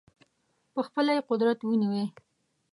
په خپله یې قدرت ونیوی.